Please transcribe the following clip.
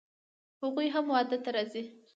هغوی هم واده ته راځي